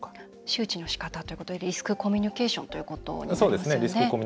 周知のしかたということでリスクコミュニケーションということになりますよね。